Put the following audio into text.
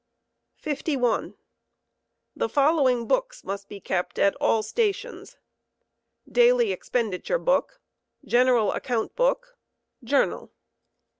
51. The following books must be kept at all stations: } Daily expenditure book. General account book. Journal.